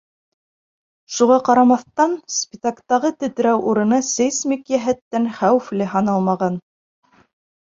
Шуға ҡарамаҫтан, Спитактағы тетрәү урыны сейсмик йәһәттән хәүефле һаналмаған.